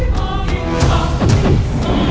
saya yang menembakkanmu